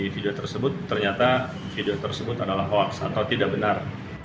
video tersebut ternyata video tersebut adalah hoax atau tidak benar